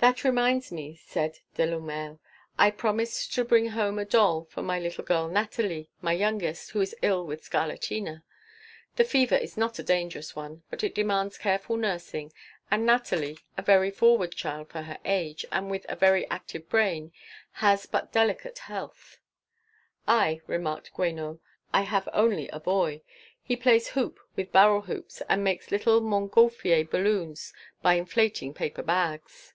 "That reminds me," said Delourmel, "I promised to bring home a doll for my little girl Nathalie, my youngest, who is ill with scarlatina. The fever is not a dangerous one, but it demands careful nursing, and Nathalie, a very forward child for her age, and with a very active brain, has but delicate health." "I," remarked Guénot, "I have only a boy. He plays hoop with barrel hoops and makes little montgolfier balloons by inflating paper bags."